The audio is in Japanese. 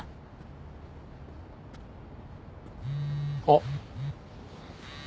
あっ。